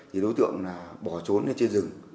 thì đối tượng bỏ trốn lên trên rừng